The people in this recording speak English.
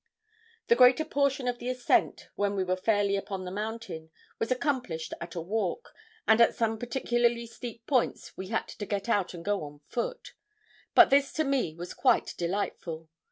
The greater portion of the ascent, when we were fairly upon the mountain, was accomplished at a walk, and at some particularly steep points we had to get out and go on foot. But this to me was quite delightful.